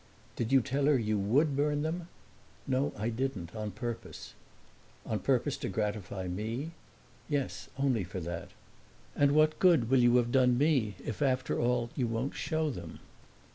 "Did you tell her you would burn them?" "No, I didn't on purpose." "On purpose to gratify me?" "Yes, only for that." "And what good will you have done me if after all you won't show them?"